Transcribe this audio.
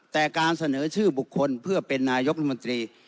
แต่การเสนอชื่อบุคคลเพื่อเป็นนายกรัฐมนตรี